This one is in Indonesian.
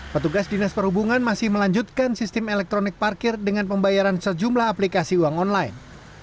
petugas dinas perhubungan masih melanjutkan sistem elektronik parkir dengan pembayaran sejumlah aplikasi uang online